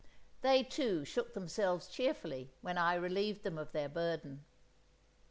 They, too, shook themselves cheerfully, when I relieved them of their burden.